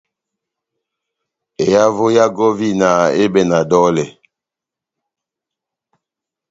Ehavo ya gɔvina ehibɛwɛ na dɔlɛ.